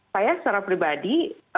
saya secara pribadi